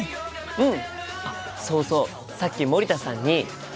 うん。